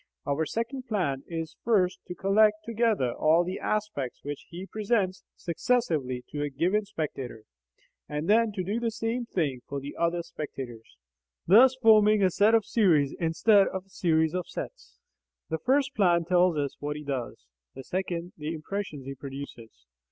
Our second plan is first to collect together all the aspects which he presents successively to a given spectator, and then to do the same thing for the other spectators, thus forming a set of series instead of a series of sets. The first plan tells us what he does; the second the impressions he produces.